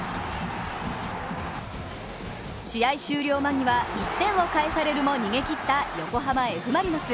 試合終了間際、１点を返されるも逃げきった横浜Ｆ・マリノス。